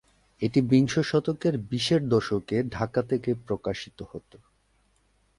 এটি বিংশ শতকের বিশের দশকে ঢাকা থেকে প্রকাশিত হত।